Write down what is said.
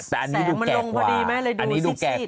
ที่เนี่ยคุณเห็นมาว่าเนี่ย